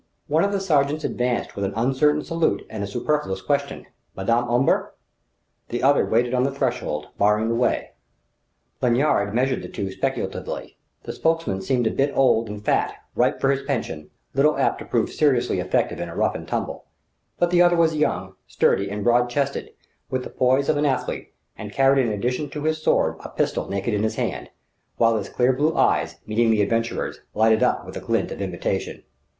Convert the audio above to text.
One of the sergents advanced with an uncertain salute and a superfluous question: "Madame Omber ?" The other waited on the threshold, barring the way. Lanyard measured the two speculatively: the spokesman seemed a bit old and fat, ripe for his pension, little apt to prove seriously effective in a rough and tumble; but the other was young, sturdy, and broad chested, with the poise of an athlete, and carried in addition to his sword a pistol naked in his hand, while his clear blue eyes, meeting the adventurer's, lighted up with a glint of invitation.